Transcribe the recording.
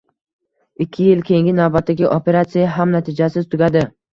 Ikki yil keyingi navbatdagi operatsiya ham natijasiz tugadi